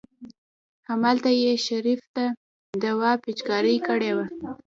همالته يې شريف ته دوا پېچکاري کړې وه.